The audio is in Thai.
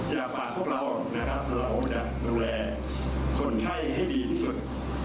อยากฝากพวกเรานะครับเราจะดูแลคนไข้ให้ดีที่สุด